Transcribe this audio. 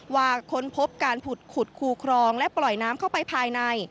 ค้นพบการผุดขุดคูครองและปล่อยน้ำเข้าไปภายใน